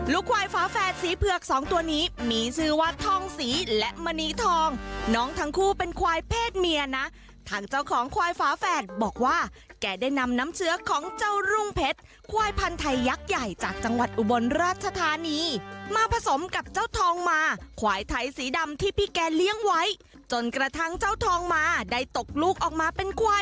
ควายฝาแฝดสีเผือกสองตัวนี้มีชื่อว่าทองศรีและมณีทองน้องทั้งคู่เป็นควายเพศเมียนะทางเจ้าของควายฝาแฝดบอกว่าแกได้นำน้ำเชื้อของเจ้ารุ่งเพชรควายพันธุ์ไทยยักษ์ใหญ่จากจังหวัดอุบลราชธานีมาผสมกับเจ้าทองมาควายไทยสีดำที่พี่แกเลี้ยงไว้จนกระทั่งเจ้าทองมาได้ตกลูกออกมาเป็นควาย